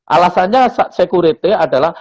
alasannya sekuriti adalah